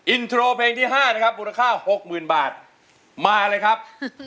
อินโทรเพลงที่๕นะครับมูลค่า๖๐๐๐บาทมาเลยครับ